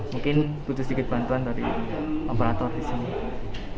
mungkin butuh sedikit bantuan dari operator di sini